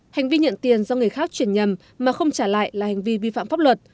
hành vi nhận tiền do người khác chuyển nhầm mà không trả lại là hành vi vi phạm pháp luật